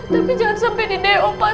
tapi jangan sampai di do pak